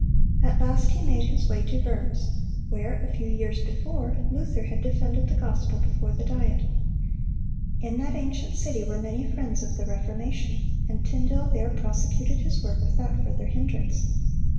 At last he made his way to Worms, where, a few years before, Luther had defended the gospel before the Diet. In that ancient city were many friends of the Reformation, and Tyndale there prosecuted his work without further hindrance.